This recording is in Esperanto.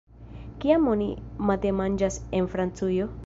Kiam oni matenmanĝas en Francujo?